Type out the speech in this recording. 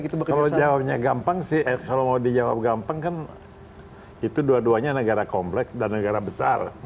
kalau jawabnya gampang sih kalau mau dijawab gampang kan itu dua duanya negara kompleks dan negara besar